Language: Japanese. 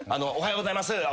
おはようございます。